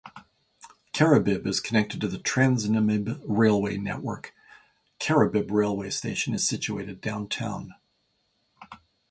Karibib is connected to the TransNamib railway network; Karibib Railway Station is situated downtown.